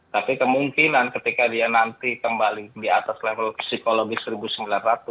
tapi kemungkinan ketika dia nanti kembali di atas level psikologi rp satu sembilan ratus